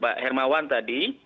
mbak hermawan tadi